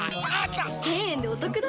１０００円でおトクだ